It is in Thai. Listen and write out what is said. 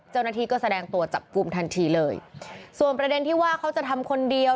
เจ้าหน้าที่ก็แสดงตัวจับกลุ่มทันทีเลยส่วนประเด็นที่ว่าเขาจะทำคนเดียว